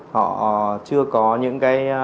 họ chưa có những cái